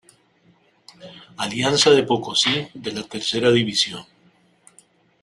Alianza de Pococí de la Tercera División.